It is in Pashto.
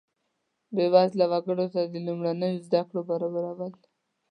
بیوزله وګړو ته د لومړنیو زده کړو برابرول.